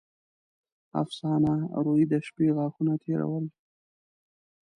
افسانه: روې د شپې غاښونه تېرول.